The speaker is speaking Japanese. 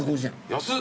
安っ。